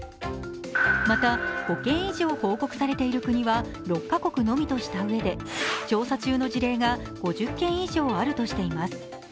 また５件以上報告されている国は６カ国のみとしたうえで調査中の事例が５０件あるとしています。